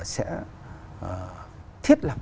sẽ thiết lập